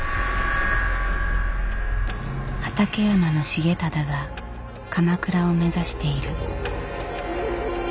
畠山重忠が鎌倉を目指している。